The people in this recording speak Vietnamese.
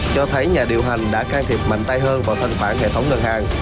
cho thấy nhà điều hành đã can thiệp mạnh tay hơn vào thanh khoản hệ thống ngân hàng